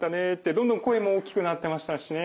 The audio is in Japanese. どんどん声も大きくなってましたしね。